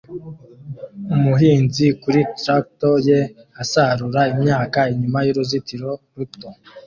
Umuhinzi kuri traktor ye asarura imyaka inyuma y'uruzitiro ruto